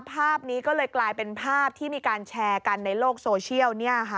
ภาพนี้ก็เลยกลายเป็นภาพที่มีการแชร์กันในโลกโซเชียล